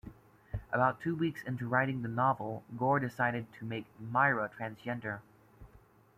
About two weeks into writing the novel Gore decided to make Myra transgender.